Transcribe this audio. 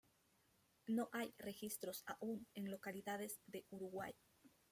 No hay registros aún en localidades de Uruguay.